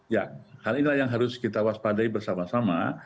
ya hal inilah yang harus kita waspadai bersama sama